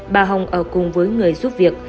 bà hồng ở cùng với người giúp việc